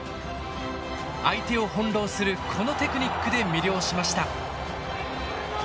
相手を翻弄するこのテクニックで魅了しました。